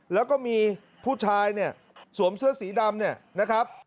แล้วก็มีผู้ชายเนี่ยสวมเสื้อสีดำเนี่ยนะครับ